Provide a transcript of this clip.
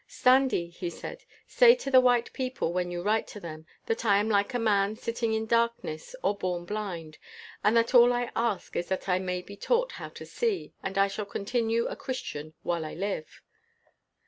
"Standee," he said, "say to the white people, when you write to them, that I am like a man sitting in darkness, or born blind, and that all I ask is that I may be taught how to see, and I shall continue a Christian while I live."